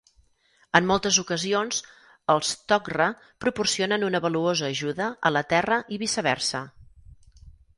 En moltes ocasions, els Tok'ra proporcionen una valuosa ajuda a la Terra i viceversa.